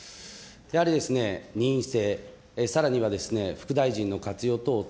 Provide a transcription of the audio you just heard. やはりですね、二院制、さらには副大臣の活用等々